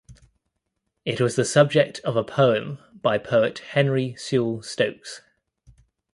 It was the subject of a poem by poet Henry Sewell Stokes.